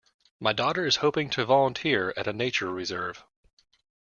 My daughter is hoping to volunteer at a nature reserve.